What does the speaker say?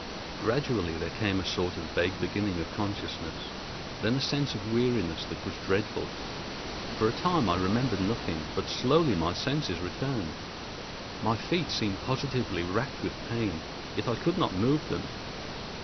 Gradually there came a sort of vague beginning of consciousness; then a sense of weariness that was dreadful. For a time I remembered nothing; but slowly my senses returned. My feet seemed positively racked with pain, yet I could not move them.